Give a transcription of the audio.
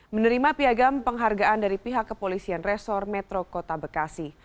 menerima piagam penghargaan dari pihak kepolisian resor metro kota bekasi